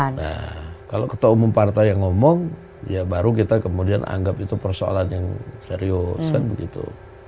nah kalau ketua umum partai yang ngomong ya baru kita kemudian anggap itu persoalan yang serius kan begitu